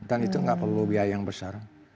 dan itu nggak perlu biaya yang besar